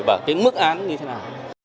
và cái mức án như thế nào